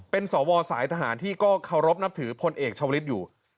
เป็นสวสายทหารที่ก็เคารพนับถือพลเอกชาวฤทธิ์อยู่